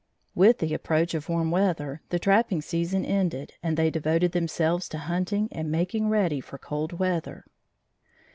With the approach of warm weather the trapping season ended and they devoted themselves to hunting and making ready for cold weather.